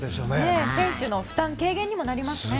選手の負担軽減にもなりますね。